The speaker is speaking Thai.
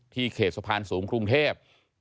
เขตสะพานสูงกรุงเทพ